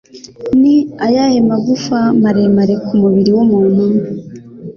Ni ayahe magufa maremare mu mubiri w'umuntu?